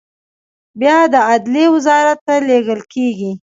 بیا عدلیې وزارت ته لیږل کیږي.